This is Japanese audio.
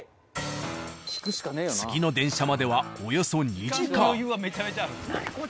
次の電車まではおよそ２時間。